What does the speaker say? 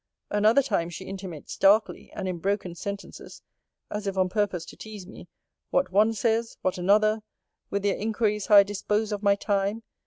Another time she intimates darkly, and in broken sentences, (as if on purpose to tease me,) what one says, what another; with their inquiries how I dispose of my time?